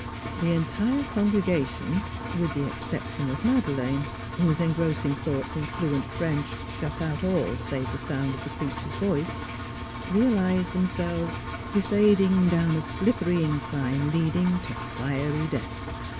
The entire congregation with the exception of Made leine, whose engrossing thoughts in fluent French shut out all save the sound of the preacher's voice realized themselves glissading down a slippery incline leading to fiery death.